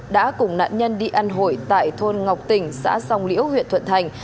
đã cùng nạn nhân đi ăn hội tại thôn ngọc tỉnh xã song liễu huyện thuận thành